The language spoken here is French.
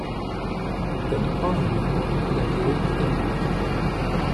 Telle Angeline, la veille et le matin.